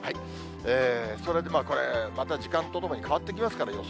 それで、また時間とともに変わってきますから、予想。